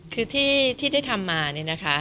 คือที่ได้ทำมานี่นะคะ